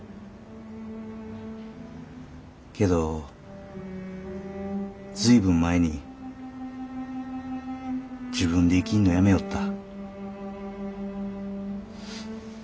けど随分前に自分で生きんのやめよった。